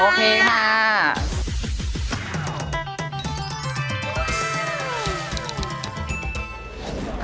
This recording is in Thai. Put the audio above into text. โอเคได้ค่ะจัดไปค่ะ